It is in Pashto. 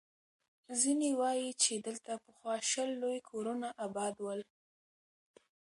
ځيني وایي، چې دلته پخوا شل لوی کورونه اباد ول.